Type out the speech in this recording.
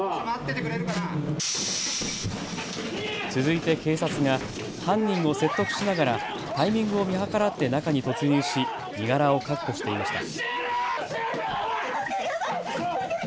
続いて、警察が犯人を説得しながらタイミングを見計らって中に突入し身柄を確保していました。